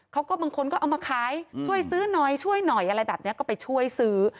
บางคนก็เอามาขายช่วยซื้อหน่อยช่วยหน่อยอะไรแบบนี้ก็ไปช่วยซื้อ